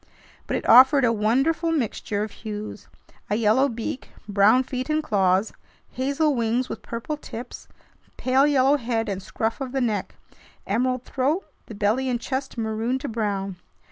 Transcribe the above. But it offered a wonderful mixture of hues: a yellow beak, brown feet and claws, hazel wings with purple tips, pale yellow head and scruff of the neck, emerald throat, the belly and chest maroon to brown.